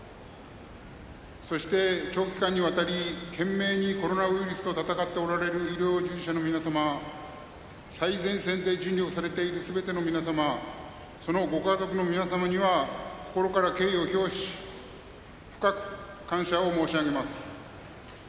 そして、長期間にわたり懸命にコロナウイルスと闘っておられる医療従事者の皆様最前線で尽力されているすべての皆様そのご家族の皆様には心から敬意を表し深く感謝を申し上げます。